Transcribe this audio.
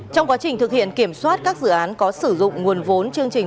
trong quá trình thực hiện kiểm soát các dự án có sử dụng nguồn vốn chương trình